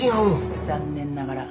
残念ながら。